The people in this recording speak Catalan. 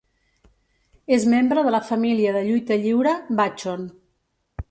És membre de la família de lluita lliure Vachon.